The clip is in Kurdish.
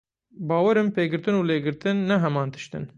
Bawer im pêgirtin û lêgirtin ne heman tişt in.